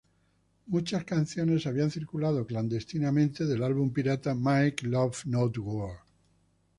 Muchas canciones habían circulado clandestinamente del álbum pirata "Mike Love Not War".